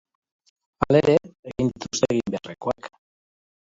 Halere, egin dituzte egin beharrekoak.